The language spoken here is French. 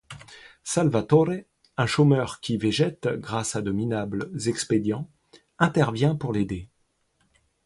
Salvatore, un chômeur qui végète grâce à de minables expédients, intervient pour l'aider.